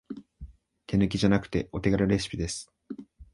手抜きじゃなくてお手軽レシピです